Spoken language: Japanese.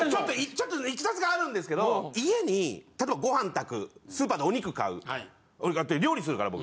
ちょっといきさつがあるんですけど家に例えばご飯炊くスーパーでお肉買う買って料理するから僕。